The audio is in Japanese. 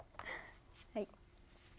はい。